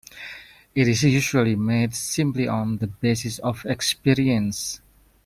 It is usually made simply on the basis of experience.